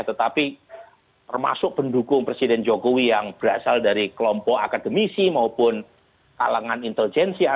tetapi termasuk pendukung presiden jokowi yang berasal dari kelompok akademisi maupun kalangan intelijensia